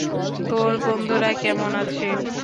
তোর বন্ধুরা কেমন আছে?